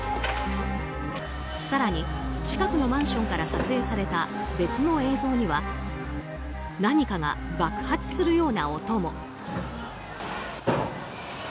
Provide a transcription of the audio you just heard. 更に近くのマンションから撮影された別の映像には何かが爆発するような音も。